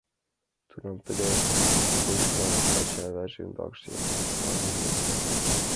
Тунам тыгай койышлан ача-аваже ондакше куанен ӧрыныт.